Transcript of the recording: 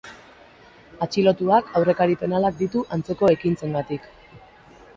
Atxilotuak aurrekari penalak ditu antzeko ekintzengatik.